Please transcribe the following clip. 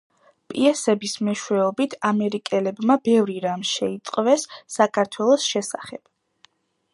პიესების მეშვეობით, ამერიკელებმა ბევრი რამ შეიტყვეს საქართველოს შესახებ.